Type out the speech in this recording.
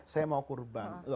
saya mau kurban